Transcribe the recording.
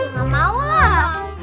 gak mau lah